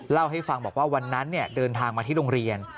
เล่าให้ฟังบอกว่าวันนั้นเดินทางมาที่โรงเรียน